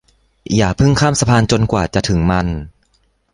อย่าพึ่งข้ามสะพานจนกว่าจะถึงมัน